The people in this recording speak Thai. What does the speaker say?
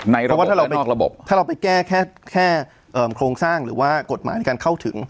ในระบบและนอกระบบเพราะว่าถ้าเราไปแก้แค่แค่เอ่อโครงสร้างหรือว่ากฎหมายในการเข้าถึง